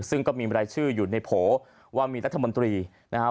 ซึ่งก็มีรายชื่ออยู่ในโผล่ว่ามีรัฐมนตรีนะครับ